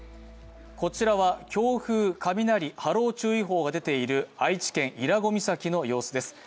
こちらは、強風・雷・波浪注意報が出ている愛知県伊良湖岬の様子です。